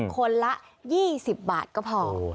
คนละ๒๐บาทก็พอ